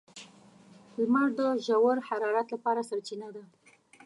• لمر د ژور حرارت لپاره سرچینه ده.